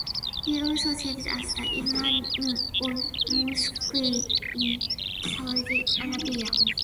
He also served as the imam of mosque in Saudi Arabia.